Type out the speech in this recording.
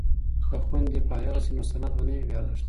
که خویندې فارغې شي نو سند به نه وي بې ارزښته.